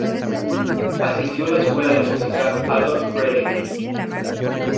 Asistió a la Escuela de Música Adolf Fredrik.